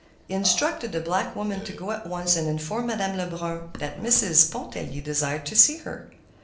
He instructed the black woman to go at once and inform Madame Lebrun that Mrs. Pontellier desired to see her.